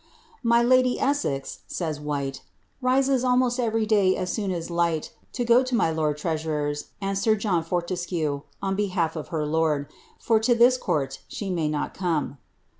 *" My lady Essex," says Whvie, " rises almost everj' day as soon a light, to go to my lord treasurer's and sir John Forlescue (on behalf « her lord), for to ihis court she may not come."